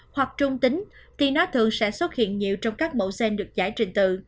hoặc trung tính thì nó thường sẽ xuất hiện nhiều trong các mẫu xen được giải trình tự